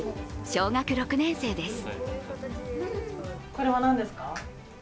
小学６年生です。